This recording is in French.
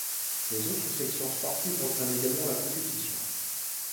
Les autres sections sportives reprennent également la compétition.